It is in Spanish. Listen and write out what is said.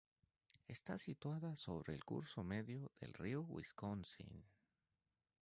Está situada sobre el curso medio del río Wisconsin.